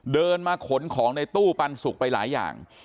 เดินมาขนของในตู้ปันสุกไปหลายอย่าง